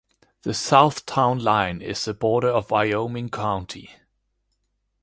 The south town line is the border of Wyoming County.